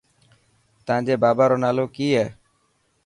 تانجي بابا رو نالو ڪي هي.